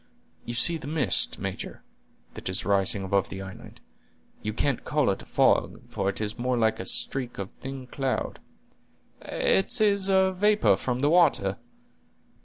You see the mist, major, that is rising above the island; you can't call it a fog, for it is more like a streak of thin cloud—" "It is vapor from the water."